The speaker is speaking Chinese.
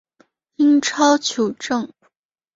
英超球证